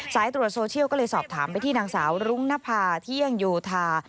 สายตรวจโซเชียลก็เลยสอบถามไปที่นางสาวรุ้งนภาเที่ยงโยธา